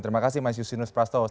terima kasih mas yusinus prasto